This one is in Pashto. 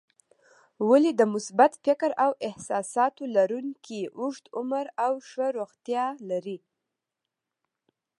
ولې د مثبت فکر او احساساتو لرونکي اوږد عمر او ښه روغتیا لري؟